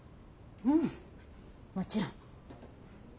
うんもちろん。